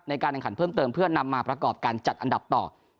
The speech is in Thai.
ในการแข่งขันเพิ่มเติมเพื่อนำมาประกอบการจัดอันดับต่อ